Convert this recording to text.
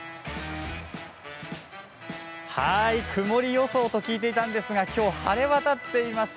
曇り予想と聞いていたんですがきょうは晴れわたっています。